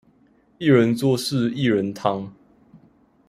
一人做事薏仁湯